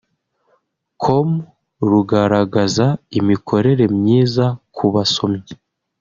com rugaragaza imikorere myiza ku basomyi